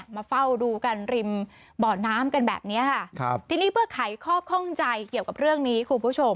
มาเฝ้าดูกันริมบ่อน้ำกันแบบนี้ค่ะครับทีนี้เพื่อไขข้อข้องใจเกี่ยวกับเรื่องนี้คุณผู้ชม